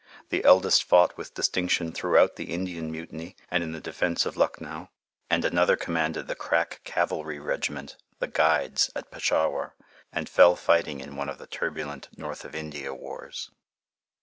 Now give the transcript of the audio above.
The eldest fought with distinction throughout the Indian Mutiny and in the defence of Lucknow, and another commanded the crack cavalry regiment, the "Guides," at Peshawar, and fell fighting in one of the turbulent North of India wars.